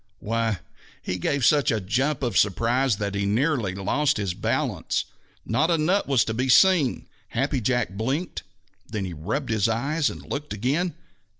Why, he gave such a jump of surprise that he nearly lost his balance. Not a nut was to be seen! Happy Jack blinked. Then, he rubbed his eyes and looked again.